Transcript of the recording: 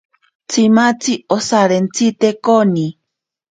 Tsimatzi osarentsite koni.